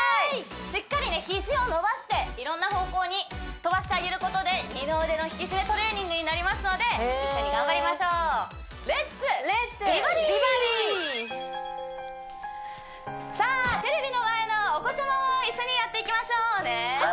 しっかりね肘を伸ばしていろんな方向に飛ばしてあげることで二の腕の引き締めトレーニングになりますので一緒に頑張りましょうさあテレビの前のお子様も一緒にやっていきましょうねハッ！